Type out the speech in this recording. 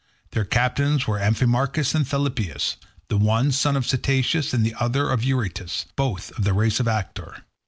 Their captains were Amphimachus and Thalpius—the one, son of Cteatus, and the other, of Eurytus—both of the race of Actor.